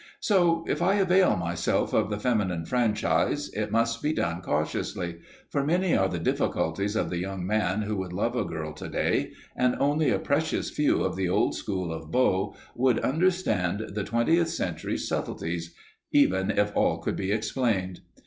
So, if I avail myself of the feminine franchise, it must be done cautiously, for many are the difficulties of the young man who would love a girl today, and only a precious few of the old school of beaux would understand the twentieth century's subtleties, even if all could be explained.